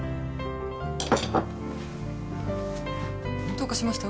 どうかしました？